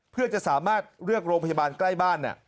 เพื่อจะสามารถเรียกโรงพยาบาลใกล้บ้าน